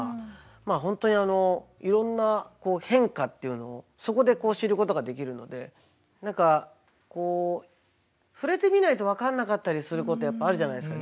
まあ本当にいろんな変化っていうのをそこで知ることができるので何かこう触れてみないと分かんなかったりすることやっぱりあるじゃないですか。